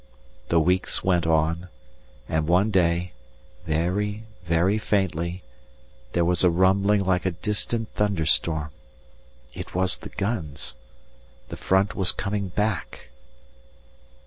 The weeks went on, and one day, very, very faintly, there was a rumbling like a distant thunderstorm. It was the guns! The front was coming back.